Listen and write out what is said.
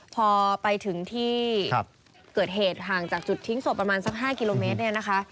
พอไปถึงที่เกิดเหตุห่างจากจุดทิ้งศพประมาณสัก๕กิโลเมตรเนี่ยนะคะ